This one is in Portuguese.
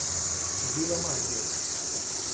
Vila Maria